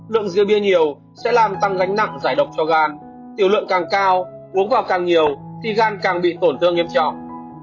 lượng rượu bia nhiều sẽ làm tăng gánh nặng giải độc cho gan tiểu lượng càng cao uống vào càng nhiều thì gan càng bị tổn thương nghiêm trọng